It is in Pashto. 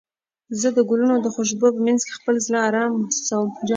زه د ګلونو د خوشبو په مینځ کې خپل زړه ارام محسوسوم.